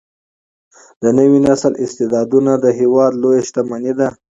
د نوي نسل استعدادونه د هیواد لویه شتمني ده.